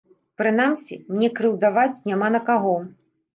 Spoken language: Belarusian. Прынамсі, мне крыўдаваць няма на каго.